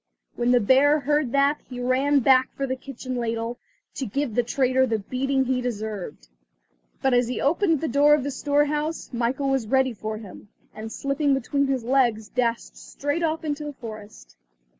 When the bear heard that he ran back for the kitchen ladle, to give the traitor the beating he deserved. But as he opened the door of the storehouse, Michael was ready for him, and slipping between his legs, dashed straight off into the forest.